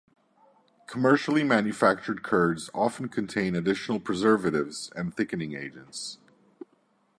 Commercially manufactured curds often contain additional preservatives and thickening agents.